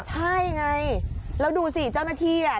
ใช่ไงแล้วดูสิเจ้าหน้าที่อ่ะ